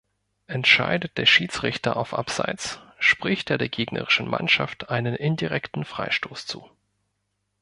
Entscheidet der Schiedsrichter auf Abseits, spricht er der gegnerischen Mannschaft einen indirekten Freistoß zu.